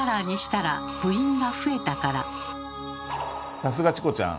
さすがチコちゃん！